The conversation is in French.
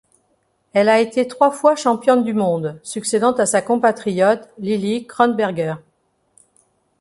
Elle a été trois fois championne du monde, succédant à sa compatriote Lily Kronberger.